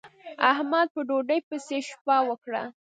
احمد په ډوډۍ پسې شپه وکړه.